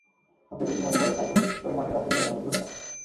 সবচেয়ে বেশি মনে পড়ে সাইকেল চড়ে মাঠের রাস্তায় ঘুরে বেড়ানো দিনগুলোর কথা।